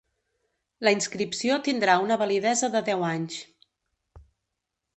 La inscripció tindrà una validesa de deu anys.